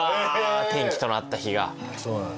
転機となった日が。